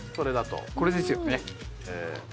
これですよ。